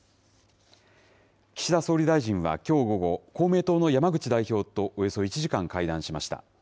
岸田総理大臣はきょう午後、公明党の山口代表とおよそ１時間会談しました。